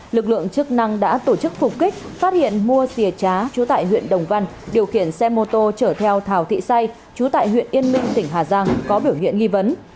lực lượng chức năng đã tổ chức phục kích phát hiện mua rìa trá chú tại huyện đồng văn điều khiển xe mô tô chở theo thảo thị say chú tại huyện yên minh tỉnh hà giang có biểu hiện nghi vấn